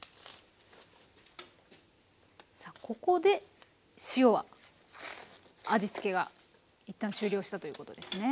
さあここで塩は味付けが一旦終了したということですね。